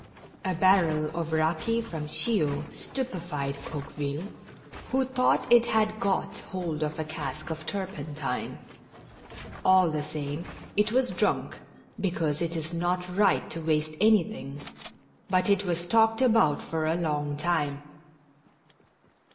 A barrel of raki from Chio stupefied Coqueville, who thought it had got 228 MORE JOLLIFICATION. liold of a cask of turpentine. All the same it was drunk, because it is not right to waste anything, but it was talked about for a long time.